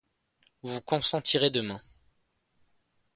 Vous consentirez demain.